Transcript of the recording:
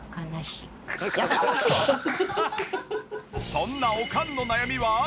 そんなおかんの悩みは。